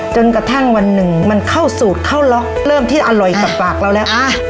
จนกระทั่งวันหนึ่งมันเข้าสูตรเข้าล็อกเริ่มที่อร่อยกับปากเราแล้ว